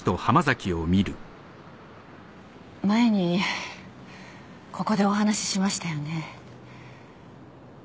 前にここでお話ししましたよね。